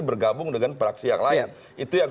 bergabung dengan praksi yang lain itu yang